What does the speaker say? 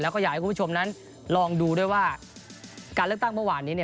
แล้วก็อยากให้คุณผู้ชมนั้นลองดูด้วยว่าการเลือกตั้งเมื่อวานนี้